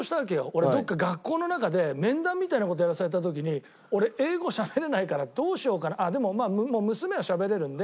俺どこか学校の中で面談みたいな事やらされた時に俺英語しゃべれないからどうしようかなでも娘はしゃべれるので。